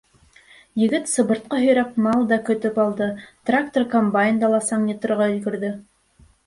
Егет сыбыртҡы һөйрәп мал да көтөп алды, трактор-комбайнда ла саң йоторға өлгөрҙө.